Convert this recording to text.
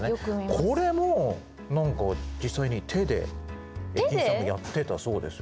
これも何か実際に手で駅員さんがやってたそうですよ。